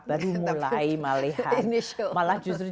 baru mulai malahan